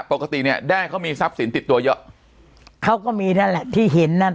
ปกติเนี่ยแด้เขามีทรัพย์สินติดตัวเยอะเขาก็มีนั่นแหละที่เห็นนั่น